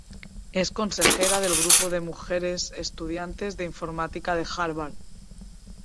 Es consejera del grupo de mujeres estudiantes de informática de Harvard.